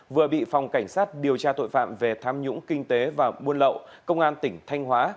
vừa bị phòng cảnh sát điều tra tội phạm về tham nhũng kinh tế và buôn lậu công an tỉnh thanh hóa